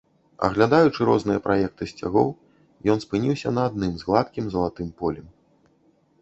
Аглядаючы розныя праекты сцягоў, ён спыніўся на адным з гладкім залатым полем.